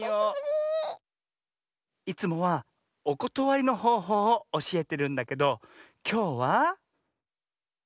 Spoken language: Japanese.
いつもはおことわりのほうほうをおしえてるんだけどきょうは。